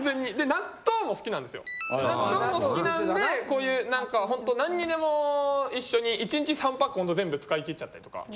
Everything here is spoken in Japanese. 納豆も好きなんでこういう何かほんとなんにでも一緒に１日３パックほんと全部使い切っちゃったりとか。